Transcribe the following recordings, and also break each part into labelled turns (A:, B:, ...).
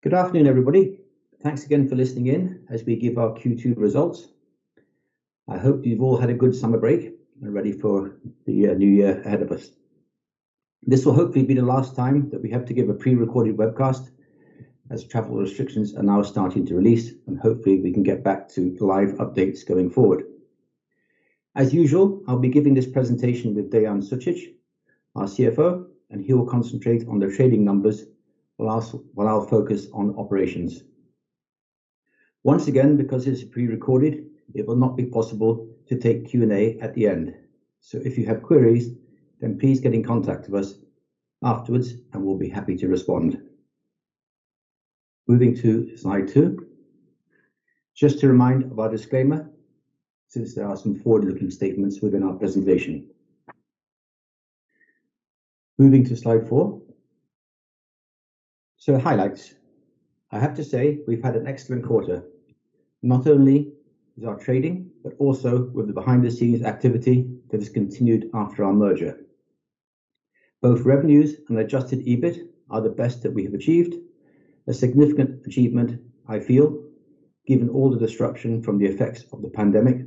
A: Good afternoon, everybody. Thanks again for listening in as we give our Q2 results. I hope you've all had a good summer break and are ready for the new year ahead of us. This will hopefully be the last time that we have to give a pre-recorded webcast, as travel restrictions are now starting to release, and hopefully we can get back to live updates going forward. As usual, I'll be giving this presentation with Dean Zuzic, our CFO. He will concentrate on the trading numbers, while I'll focus on operations. Once again, because it's pre-recorded, it will not be possible to take Q&A at the end. If you have queries, please get in contact with us afterwards and we'll be happy to respond. Moving to slide two. Just a reminder of our disclaimer, since there are some forward-looking statements within our presentation. Moving to slide four. Highlights. I have to say, we've had an excellent quarter, not only with our trading, but also with the behind-the-scenes activity that has continued after our merger. Both revenues and adjusted EBIT are the best that we have achieved. A significant achievement, I feel, given all the disruption from the effects of the pandemic.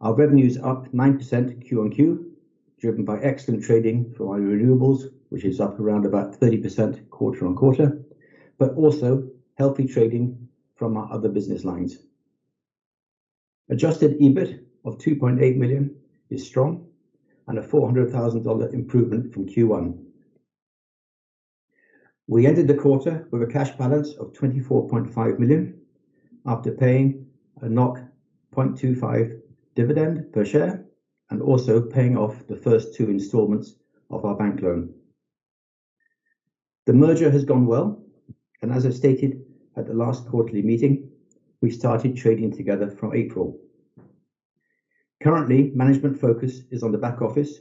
A: Our revenue is up 9% Q on Q, driven by excellent trading from our renewables, which is up around about 30% quarter-on-quarter, but also healthy trading from our other business lines. Adjusted EBIT of 2.8 million is strong, and a NOK 400,000 improvement from Q1. We ended the quarter with a cash balance of 24.5 million after paying a 0.25 dividend per share, and also paying off the first two installments of our bank loan. The merger has gone well, and as I stated at the last quarterly meeting, we started trading together from April. Currently, management focus is on the back office,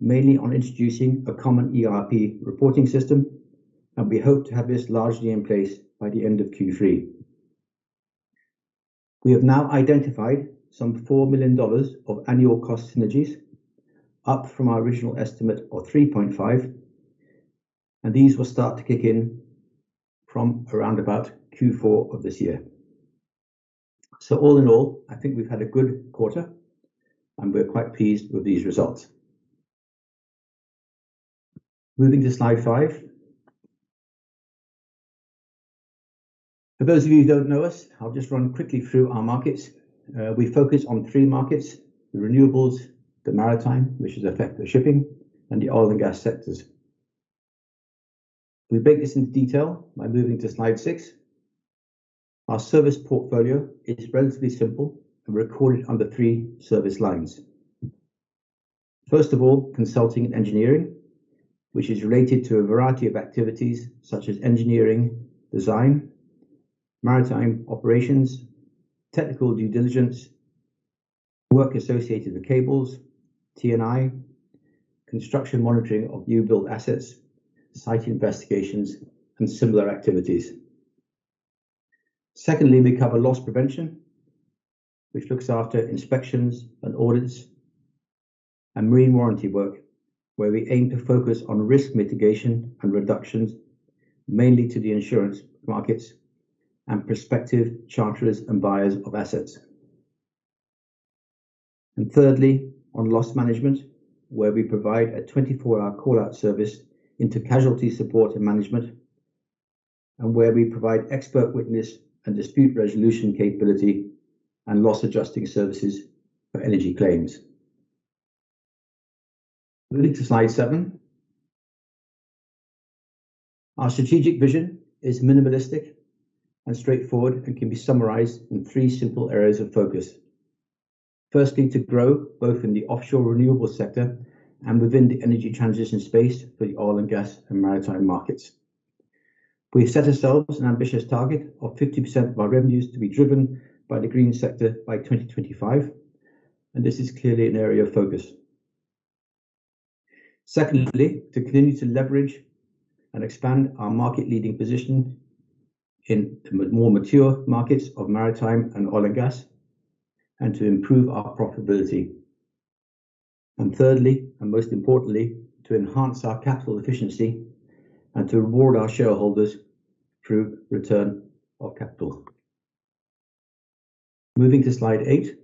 A: mainly on introducing a common ERP reporting system, and we hope to have this largely in place by the end of Q3. We have now identified some NOK 4 million of annual cost synergies, up from our original estimate of 3.5 million, and these will start to kick in from around about Q4 of this year. All in all, I think we've had a good quarter, and we're quite pleased with these results. Moving to slide five. For those of you who don't know us, I'll just run quickly through our markets. We focus on three markets, the renewables, the maritime, which is in effect, shipping, and the oil and gas sectors. We break this into detail by moving to slide six. Our service portfolio is relatively simple and recorded under three service lines. First of all, consulting and engineering, which is related to a variety of activities such as engineering, design, maritime operations, technical due diligence, work associated with cables, T&I, construction monitoring of new build assets, site investigations, and similar activities. Secondly, we cover loss prevention, which looks after inspections and audits and marine warranty work, where we aim to focus on risk mitigation and reductions, mainly to the insurance markets and prospective charterers and buyers of assets. Thirdly on loss management, where we provide a 24-hour call-out service into casualty support and management, and where we provide expert witness and dispute resolution capability and loss adjusting services for energy claims. Moving to slide seven. Our strategic vision is minimalistic and straightforward and can be summarized in three simple areas of focus. Firstly, to grow both in the offshore renewable sector and within the energy transition space for the oil and gas and maritime markets. We have set ourselves an ambitious target of 50% of our revenues to be driven by the green sector by 2025, and this is clearly an area of focus. Secondly, to continue to leverage and expand our market-leading position in the more mature markets of maritime and oil and gas and to improve our profitability. Thirdly, and most importantly, to enhance our capital efficiency and to reward our shareholders through return of capital. Moving to slide eight.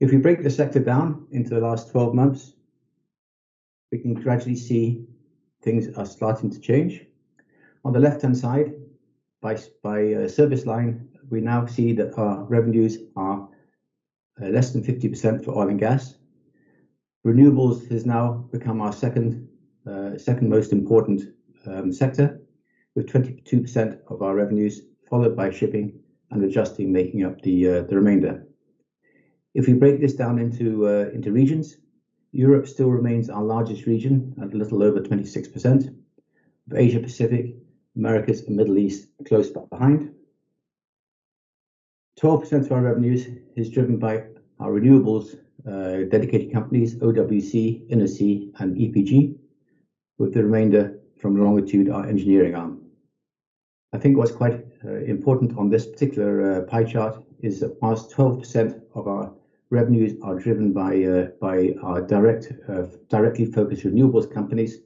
A: If we break the sector down into the last 12 months, we can gradually see things are starting to change. On the left-hand side, by service line, we now see that our revenues are less than 50% for oil and gas. Renewables has now become our second most important sector, with 22% of our revenues, followed by shipping and adjusting making up the remainder. If we break this down into regions, Europe still remains our largest region at a little over 26%, with Asia-Pacific, Americas, and Middle East close behind. 12% of our revenues is driven by our renewables dedicated companies, OWC, Innosea, and EPG, with the remainder from Longitude, our engineering arm. I think what's quite important on this particular pie chart is that whilst 12% of our revenues are driven by our directly focused renewables companies,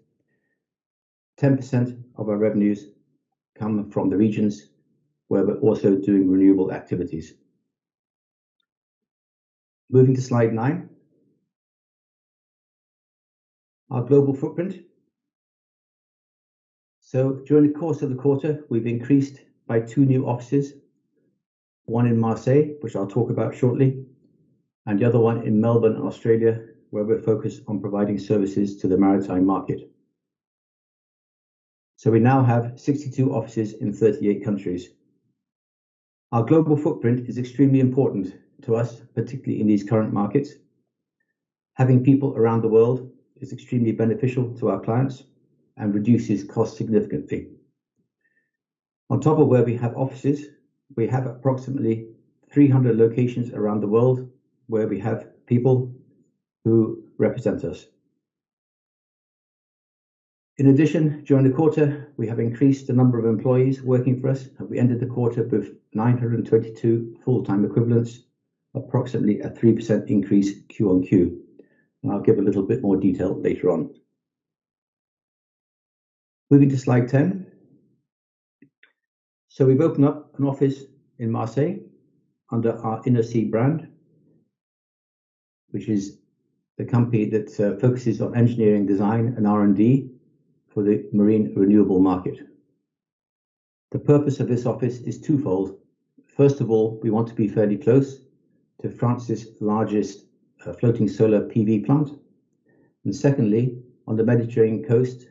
A: 10% of our revenues come from the regions where we're also doing renewable activities. Moving to slide nine, our global footprint. During the course of the quarter, we've increased by two new offices, one in Marseille, which I'll talk about shortly, and the other one in Melbourne, Australia, where we're focused on providing services to the maritime market. We now have 62 offices in 38 countries. Our global footprint is extremely important to us, particularly in these current markets. Having people around the world is extremely beneficial to our clients and reduces cost significantly. On top of where we have offices, we have approximately 300 locations around the world where we have people who represent us. In addition, during the quarter, we have increased the number of employees working for us, and we ended the quarter with 922 full-time equivalents, approximately a 3% increase Q on Q. I'll give a little bit more detail later on. Moving to slide 10. We've opened up an office in Marseille under our Innosea brand, which is the company that focuses on engineering design and R&D for the marine renewable market. The purpose of this office is twofold. First of all, we want to be fairly close to France's largest floating solar PV plant. Secondly, on the Mediterranean coast,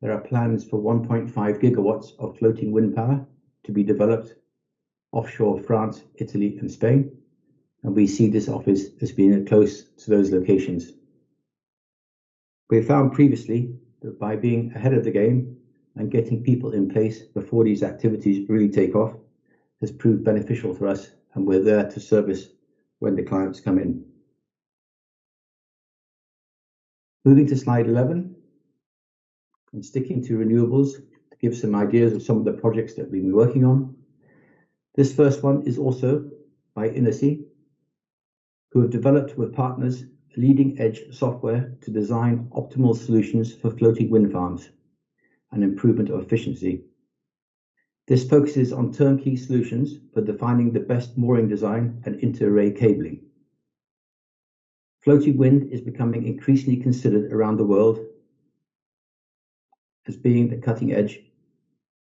A: there are plans for 1.5 GW of floating wind power to be developed offshore France, Italy, and Spain, and we see this office as being close to those locations. We have found previously that by being ahead of the game and getting people in place before these activities really take off has proved beneficial for us, and we're there to service when the clients come in. Moving to slide 11, and sticking to renewables to give some ideas of some of the projects that we've been working on. This first one is also by Innosea, who have developed with partners leading-edge software to design optimal solutions for floating wind farms, an improvement of efficiency. This focuses on turnkey solutions for defining the best mooring design and inter-array cabling. Floating wind is becoming increasingly considered around the world as being the cutting edge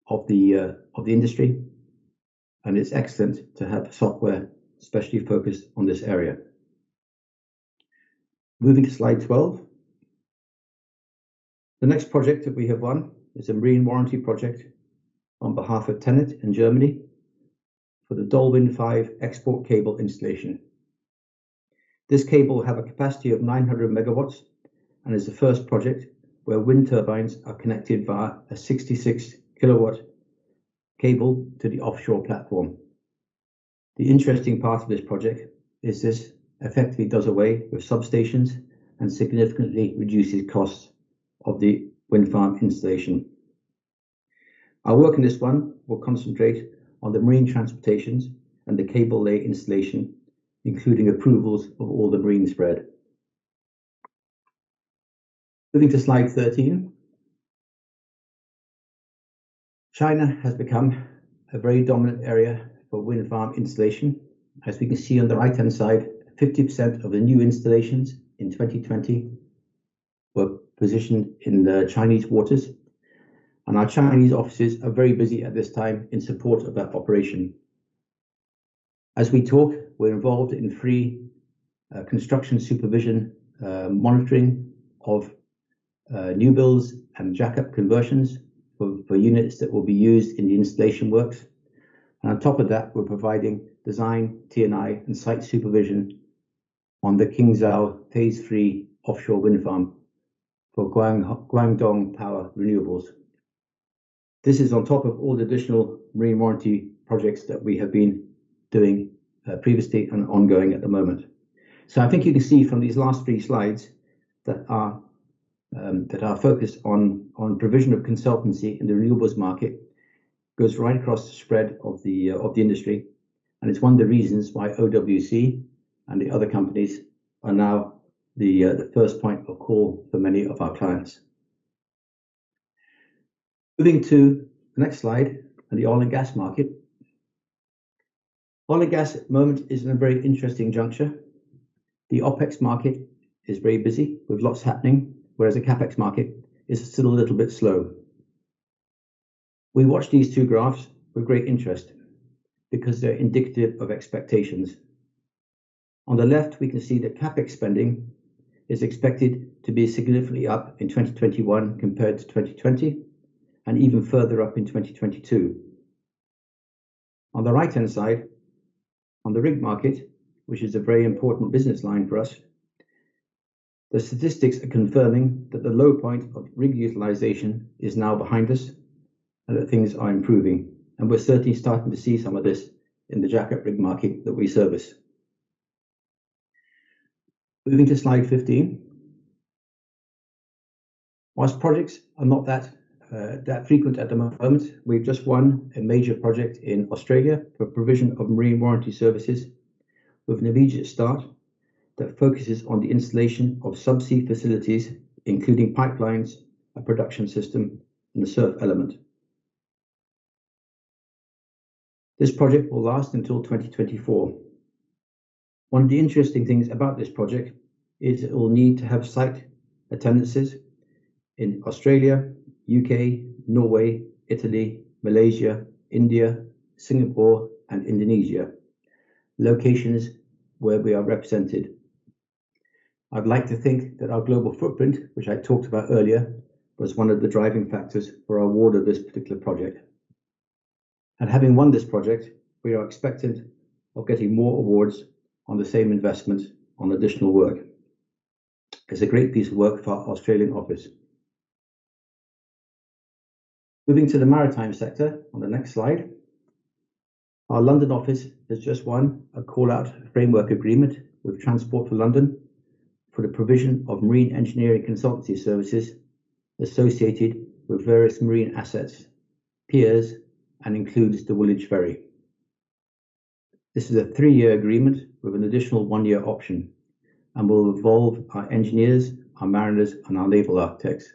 A: of the industry. It's excellent to have software specially focused on this area. Moving to slide 12. The next project that we have won is a marine warranty project on behalf of TenneT in Germany for the DolWin5 export cable installation. This cable will have a capacity of 900 MW and is the first project where wind turbines are connected via a 66 kV cable to the offshore platform. The interesting part of this project is this effectively does away with substations and significantly reduces costs of the wind farm installation. Our work in this one will concentrate on the marine transportations and the cable lay installation, including approvals of all the marine spread. Moving to slide 13. China has become a very dominant area for wind farm installation. As we can see on the right-hand side, 50% of the new installations in 2020 were positioned in the Chinese waters. Our Chinese offices are very busy at this time in support of that operation. As we talk, we're involved in three construction supervision, monitoring of new builds, and jack-up conversions for units that will be used in the installation works. On top of that, we're providing design, T&I, and site supervision on the Qingzhou III offshore wind farm for Guangdong Power Renewables. This is on top of all the additional marine warranty projects that we have been doing previously and ongoing at the moment. I think you can see from these last three slides that our focus on provision of consultancy in the renewables market goes right across the spread of the industry, and it's one of the reasons why OWC and the other companies are now the first point of call for many of our clients. Moving to the next slide and the oil and gas market. Oil and gas at the moment is in a very interesting juncture. The OpEx market is very busy with lots happening, whereas the CapEx market is still a little bit slow. We watch these two graphs with great interest because they're indicative of expectations. On the left, we can see that CapEx spending is expected to be significantly up in 2021 compared to 2020, and even further up in 2022. On the right-hand side, on the rig market, which is a very important business line for us, the statistics are confirming that the low point of rig utilization is now behind us and that things are improving. We're certainly starting to see some of this in the jackup rig market that we service. Moving to slide 15. Whilst projects are not that frequent at the moment, we've just won a major project in Australia for provision of marine warranty services with an immediate start that focuses on the installation of subsea facilities, including pipelines, a production system, and the SURF element. This project will last until 2024. One of the interesting things about this project is it will need to have site attendances in Australia, U.K., Norway, Italy, Malaysia, India, Singapore, and Indonesia. Locations where we are represented. I'd like to think that our global footprint, which I talked about earlier, was one of the driving factors for our award of this particular project. Having won this project, we are expectant of getting more awards on the same investment on additional work. It's a great piece of work for our Australian office. Moving to the maritime sector on the next slide. Our London office has just won a call-out framework agreement with Transport for London for the provision of marine engineering consultancy services associated with various marine assets, piers, and includes the Woolwich Ferry. This is a three-year agreement with an additional one-year option and will involve our engineers, our mariners, and our naval architects.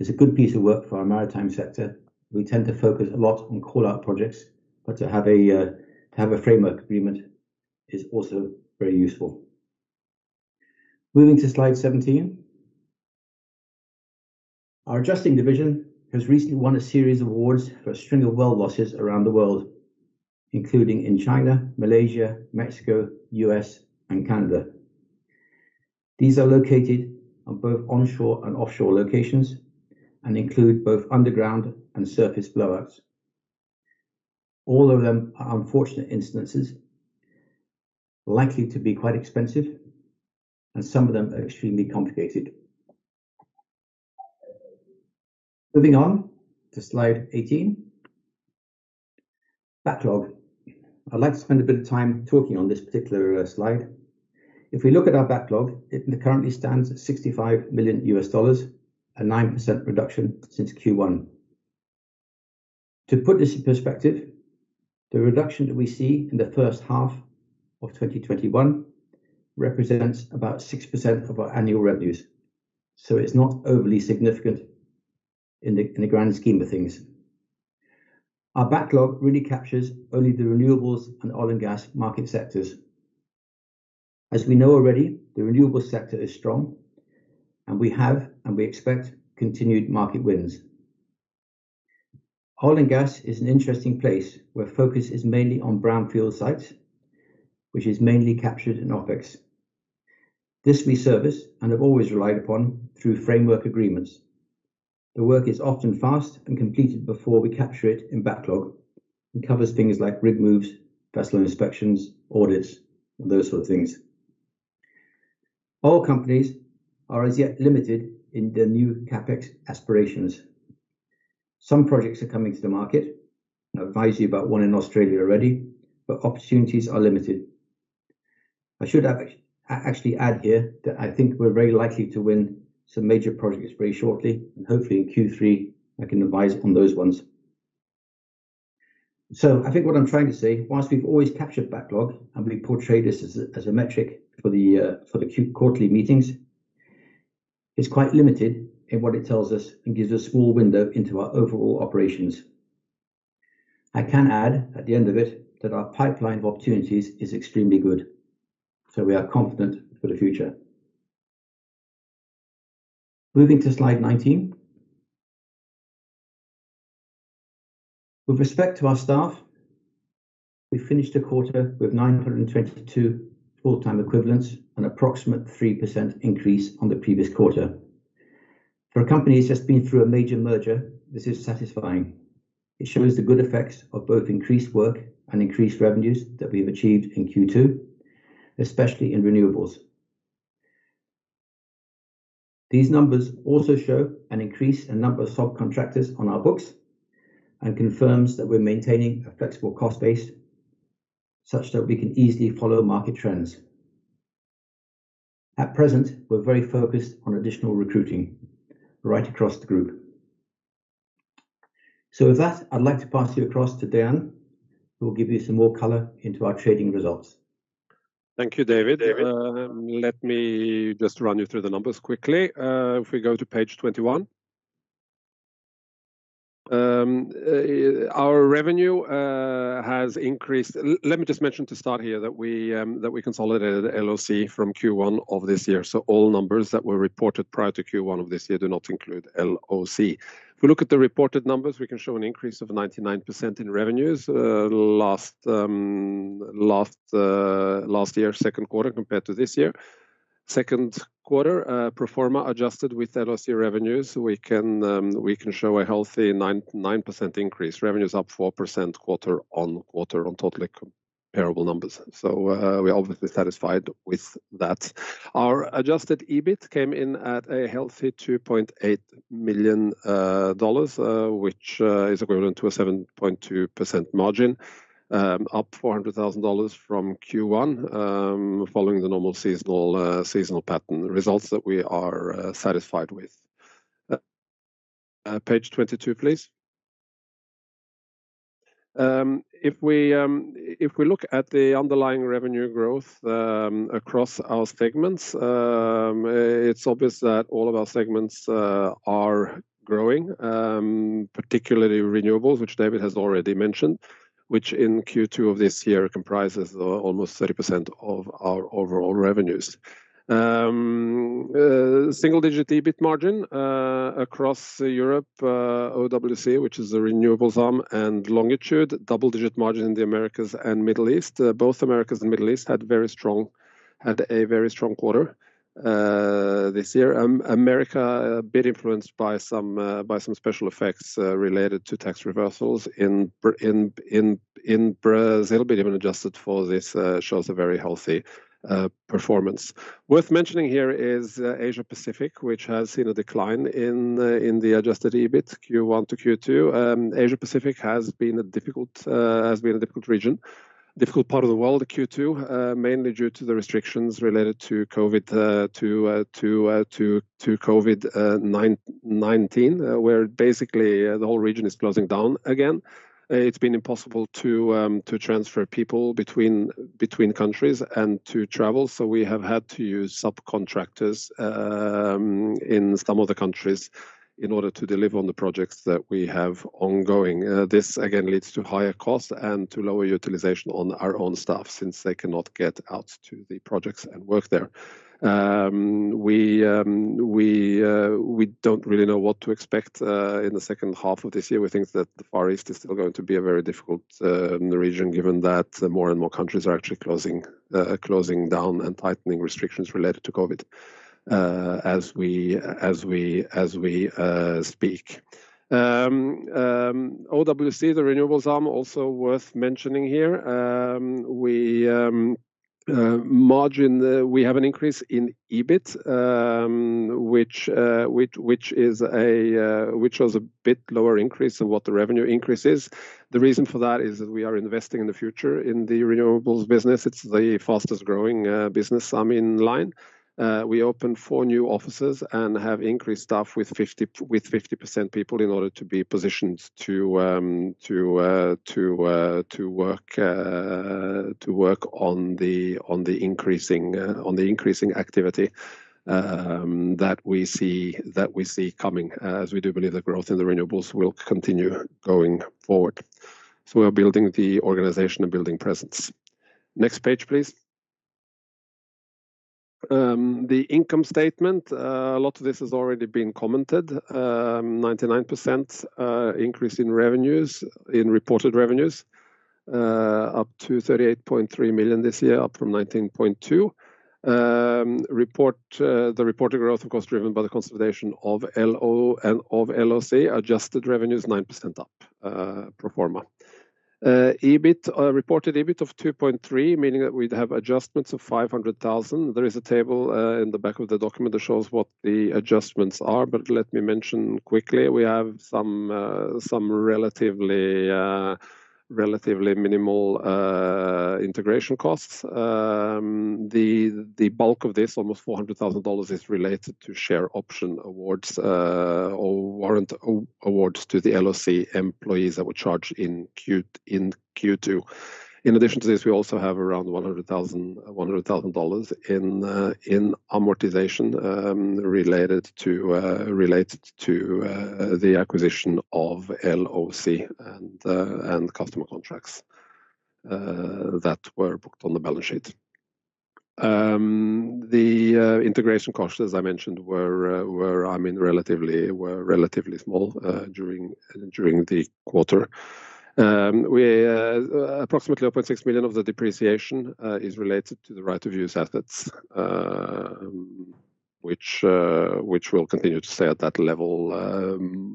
A: It's a good piece of work for our maritime sector. We tend to focus a lot on call-out projects, but to have a framework agreement is also very useful. Moving to slide 17. Our adjusting division has recently won a series of awards for a string of well losses around the world, including in China, Malaysia, Mexico, U.S., and Canada. These are located on both onshore and offshore locations and include both underground and surface blowouts. All of them are unfortunate instances, likely to be quite expensive, and some of them are extremely complicated. Moving on to slide 18. Backlog. I'd like to spend a bit of time talking on this particular slide. If we look at our backlog, it currently stands at $65 million, a 9% reduction since Q1. To put this in perspective, the reduction that we see in the first half of 2021 represents about 6% of our annual revenues, so it's not overly significant in the grand scheme of things. Our backlog really captures only the renewables and oil and gas market sectors. As we know already, the renewable sector is strong and we have, and we expect, continued market wins. Oil and gas is an interesting place where focus is mainly on brownfield sites, which is mainly captured in OpEx. This we service and have always relied upon through framework agreements. The work is often fast and completed before we capture it in backlog and covers things like rig moves, vessel inspections, audits, and those sort of things. Oil companies are as yet limited in their new CapEx aspirations. Some projects are coming to the market, and I advised you about one in Australia already, but opportunities are limited. I should actually add here that I think we're very likely to win some major projects very shortly, and hopefully in Q3, I can advise on those ones. I think what I'm trying to say, whilst we've always captured backlog and we portray this as a metric for the quarterly meetings, it's quite limited in what it tells us and gives us a small window into our overall operations. I can add at the end of it that our pipeline of opportunities is extremely good, so we are confident for the future. Moving to slide 19. With respect to our staff, we finished the quarter with 922 full-time equivalents, an approximate 3% increase on the previous quarter. For a company that's just been through a major merger, this is satisfying. It shows the good effects of both increased work and increased revenues that we've achieved in Q2, especially in renewables. These numbers also show an increase in number of subcontractors on our books and confirms that we're maintaining a flexible cost base such that we can easily follow market trends. With that, I'd like to pass you across to Dean, who will give you some more color into our trading results.
B: Thank you, David. Let me just run you through the numbers quickly. If we go to page 21. Our revenue has increased. Let me just mention to start here that we consolidated LOC from Q1 of this year. All numbers that were reported prior to Q1 of this year do not include LOC. If we look at the reported numbers, we can show an increase of 99% in revenues last year, second quarter compared to this year. Second quarter, pro forma adjusted with LOC revenues, we can show a healthy 9% increase. Revenue's up 4% quarter on quarter on totally comparable numbers. We're obviously satisfied with that. Our adjusted EBIT came in at a healthy NOK 2.8 million, which is equivalent to a 7.2% margin, up NOK 400,000 from Q1, following the normal seasonal pattern. Results that we are satisfied with. Page 22, please. If we look at the underlying revenue growth across our segments, it's obvious that all of our segments are growing, particularly renewables, which David has already mentioned, which in Q2 of this year comprises almost 30% of our overall revenues. Single-digit EBIT margin across Europe, OWC, which is a renewables arm, and Longitude. Double-digit margin in the Americas and Middle East. Both Americas and Middle East had a very strong quarter this year. Americas a bit influenced by some special effects related to tax reversals in Brazil, Even adjusted for this, shows a very healthy performance. Worth mentioning here is Asia-Pacific, which has seen a decline in the adjusted EBIT Q1 to Q2. Asia-Pacific has been a difficult region, difficult part of the world in Q2, mainly due to the restrictions related to COVID-19, where basically the whole region is closing down again. It's been impossible to transfer people between countries and to travel, we have had to use subcontractors in some of the countries in order to deliver on the projects that we have ongoing. This again leads to higher cost and to lower utilization on our own staff since they cannot get out to the projects and work there. We don't really know what to expect in the second half of this year. We think that the Far East is still going to be a very difficult region, given that more and more countries are actually closing down and tightening restrictions related to COVID as we speak. OWC, the renewables arm, also worth mentioning here. We have an increase in EBIT, which shows a bit lower increase than what the revenue increase is. The reason for that is that we are investing in the future in the renewables business. It's the fastest-growing business in line. We opened four new offices and have increased staff with 50% people in order to be positioned to work on the increasing activity that we see coming, as we do believe the growth in the renewables will continue going forward. We are building the organization and building presence. Next page, please. The income statement. A lot of this has already been commented. 99% increase in reported revenues, up to 38.3 million this year, up from 19.2 million. The reported growth, of course, driven by the consolidation of LOC. Adjusted revenue is 9% up pro forma. Reported EBIT of 2.3 million, meaning that we'd have adjustments of 500,000. There is a table in the back of the document that shows what the adjustments are, but let me mention quickly, we have some relatively minimal integration costs. The bulk of this, almost NOK 400,000, is related to share option awards or warrant awards to the LOC employees that were charged in Q2. In addition to this, we also have around NOK 100,000 in amortization related to the acquisition of LOC and customer contracts that were booked on the balance sheet. The integration costs, as I mentioned, were relatively small during the quarter. Approximately 0.6 million of the depreciation is related to the right of use assets, which will continue to stay at that level.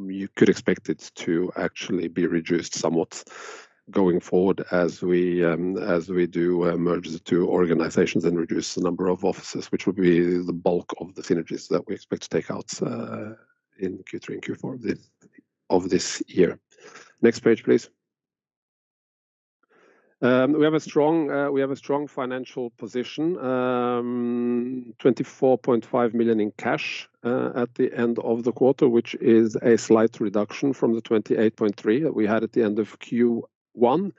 B: You could expect it to actually be reduced somewhat going forward as we do merge the two organizations and reduce the number of offices, which will be the bulk of the synergies that we expect to take out in Q3 and Q4 of this year. Next page, please. We have a strong financial position, 24.5 million in cash at the end of the quarter, which is a slight reduction from the 28.3 million that we had at the end of Q1.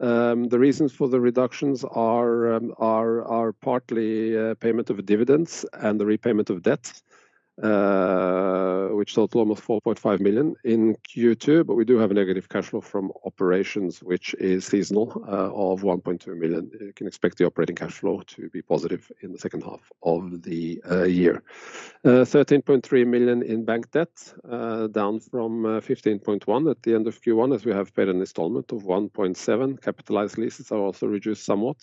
B: The reasons for the reductions are partly payment of dividends and the repayment of debt, which totaled almost 4.5 million in Q2, but we do have a negative cash flow from operations, which is seasonal, of 1.2 million. You can expect the operating cash flow to be positive in the second half of the year. 13.3 million in bank debt, down from 15.1 million at the end of Q1, as we have paid an installment of 1.7 million. Capitalized leases are also reduced somewhat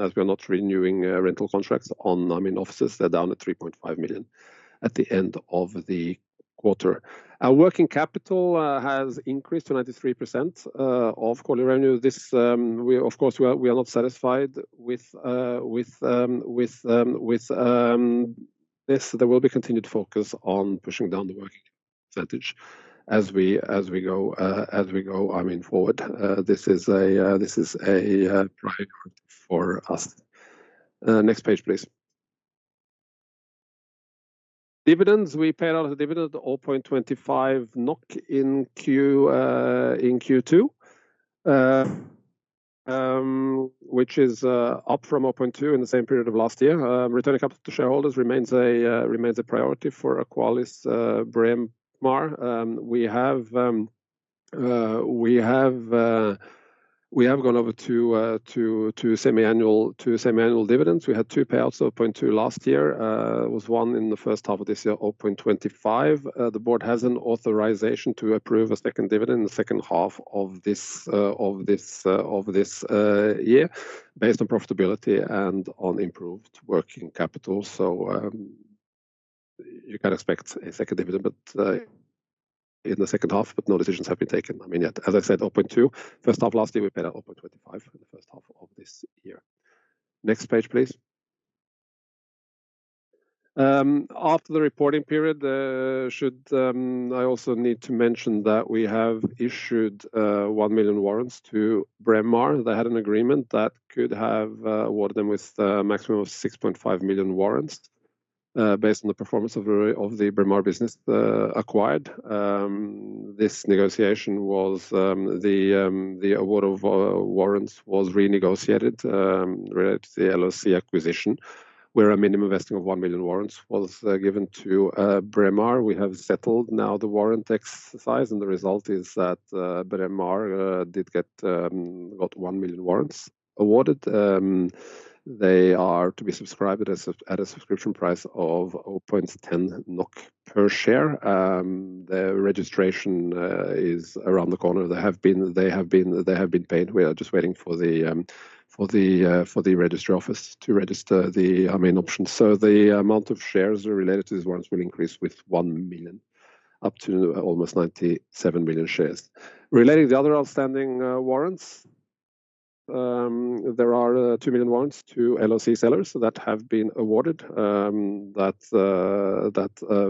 B: as we are not renewing rental contracts on offices. They're down to 3.5 million at the end of the quarter. Our working capital has increased to 93% of quarterly revenue. Of course, we are not satisfied with this. There will be continued focus on pushing down the working capital percentage as we go forward. This is a priority for us. Next page, please. Dividends, we paid out a dividend of 0.25 NOK in Q2, which is up from 0.2 in the same period of last year. Returning capital to shareholders remains a priority for AqualisBraemar. We have gone over to semi-annual dividends. We had two payouts of 0.2 last year. There was one in the first half of this year, 0.25. The board has an authorization to approve a second dividend in the second half of this year based on profitability and on improved working capital. You can expect a second dividend in the second half, but no decisions have been taken. As I said, 0.2 first half of last year, we paid out 0.25 for the first half of this year. Next page, please. After the reporting period, I also need to mention that we have issued 1 million warrants to Braemar. They had an agreement that could have awarded them with a maximum of 6.5 million warrants based on the performance of the Braemar business acquired. The award of warrants was renegotiated related to the LOC acquisition, where a minimum investing of 1 million warrants was given to Braemar. We have settled now the warrant exercise. The result is that Braemar did get 1 million warrants awarded. They are to be subscribed at a subscription price of 0.10 NOK per share. Their registration is around the corner. They have been paid. We are just waiting for the registry office to register the main options. The amount of shares related to these warrants will increase with 1 million, up to almost 97 million shares. Relating the other outstanding warrants, there are 2 million warrants to LOC sellers that have been awarded that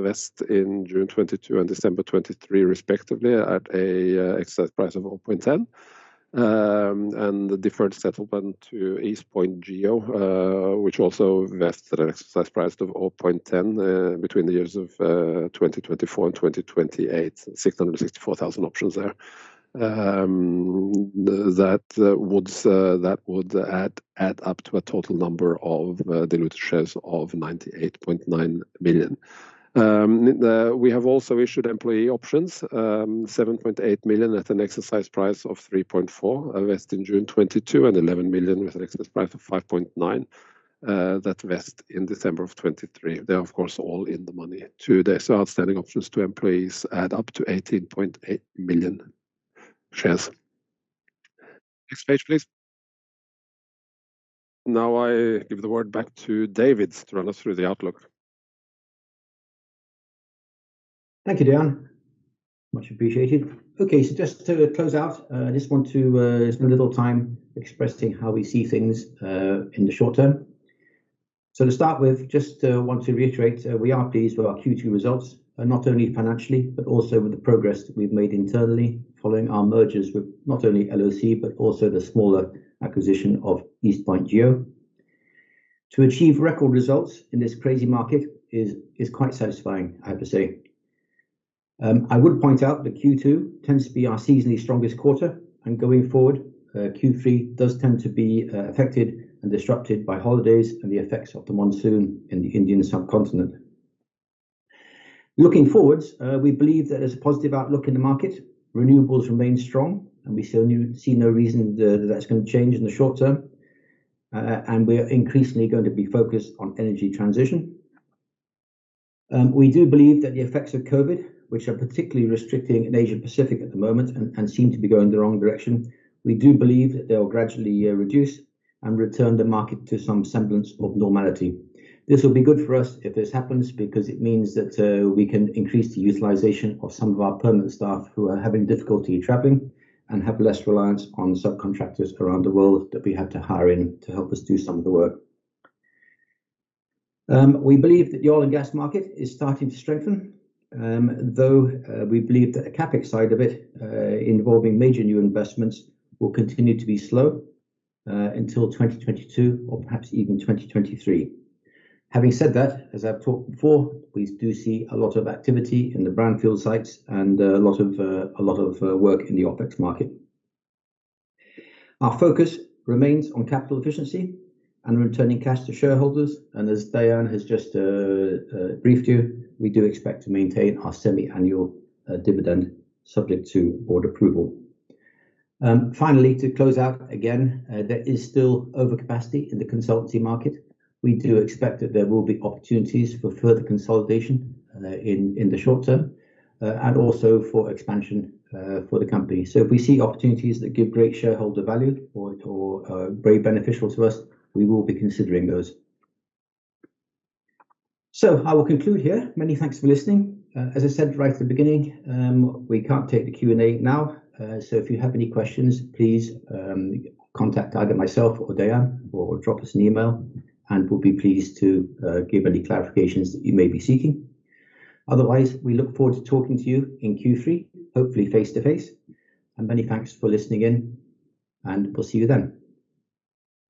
B: vest in June 2022 and December 2023 respectively at an exercise price of 0.10. The deferred settlement to East Point Geo, which also vested an exercise price of 0.10 between the years of 2024 and 2028, 664,000 options there. That would add up to a total number of diluted shares of 98.9 million. We have also issued employee options, 7.8 million at an exercise price of 3.4 million vest in June 2022 and 11 million with an exercise price of 5.9 that vest in December of 2023. They are, of course, all in the money too. Outstanding options to employees add up to 18.8 million shares. Next page, please. Now I give the word back to David to run us through the outlook.
A: Thank you, Dean. Much appreciated. Okay, just to close out, I just want to spend a little time expressing how we see things in the short term. To start with, just want to reiterate, we are pleased with our Q2 results, not only financially, but also with the progress that we've made internally following our mergers with not only LOC, but also the smaller acquisition of East Point Geo. To achieve record results in this crazy market is quite satisfying, I have to say. I would point out that Q2 tends to be our seasonally strongest quarter, and going forward, Q3 does tend to be affected and disrupted by holidays and the effects of the monsoon in the Indian subcontinent. Looking forwards, we believe that there's a positive outlook in the market. Renewables remain strong, and we see no reason that's going to change in the short term, and we are increasingly going to be focused on energy transition. We do believe that the effects of COVID, which are particularly restricting in Asia Pacific at the moment and seem to be going the wrong direction, we do believe that they will gradually reduce and return the market to some semblance of normality. This will be good for us if this happens because it means that we can increase the utilization of some of our permanent staff who are having difficulty traveling and have less reliance on subcontractors around the world that we have to hire in to help us do some of the work. We believe that the oil and gas market is starting to strengthen, though we believe that the CapEx side of it involving major new investments will continue to be slow until 2022 or perhaps even 2023. Having said that, as I've talked before, we do see a lot of activity in the brownfield sites and a lot of work in the OpEx market. Our focus remains on capital efficiency and returning cash to shareholders. As Dean has just briefed you, we do expect to maintain our semi-annual dividend subject to board approval. Finally, to close out, again, there is still overcapacity in the consultancy market. We do expect that there will be opportunities for further consolidation in the short term and also for expansion for the company. If we see opportunities that give great shareholder value or are very beneficial to us, we will be considering those. I will conclude here. Many thanks for listening. As I said right at the beginning, we can't take the Q&A now, so if you have any questions, please contact either myself or Dean or drop us an email, and we'll be pleased to give any clarifications that you may be seeking. We look forward to talking to you in Q3, hopefully face to face, and many thanks for listening in, and we'll see you then.